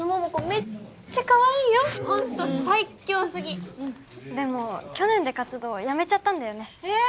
めっちゃかわいいよホント最強すぎでも去年で活動やめちゃったんだよねえ